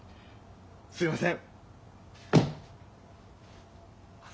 すいません。